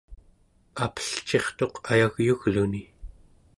apelcirtuq ayagyugluni